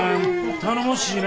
頼もしいな。